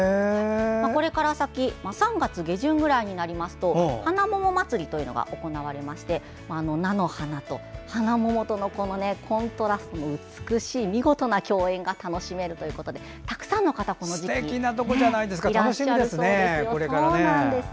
これから先３月下旬ぐらいになりますと花桃まつりというのが行われて菜の花と花桃とのコントラストが美しい見事な共演が楽しめるということでたくさんの方が、この時期いらっしゃるそうですよ。